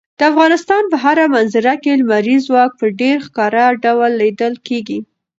د افغانستان په هره منظره کې لمریز ځواک په ډېر ښکاره ډول لیدل کېږي.